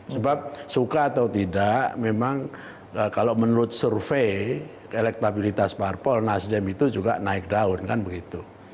sebab suka atau tidak memang kalau menurut survei elektabilitas parpol nasdem itu juga naik daun kan begitu